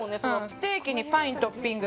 ステーキにパイントッピング。